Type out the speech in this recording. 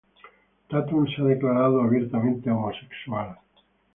Tatum se ha declarado abiertamente homosexual.